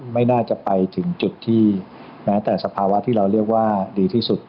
ไม่น่าจะไปถึงจุดที่แม้แต่สภาวะที่เราเรียกว่าดีที่สุด